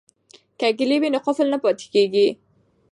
که کیلي وي نو قفل نه پاتیږي.